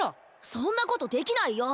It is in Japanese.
そんなことできないよ！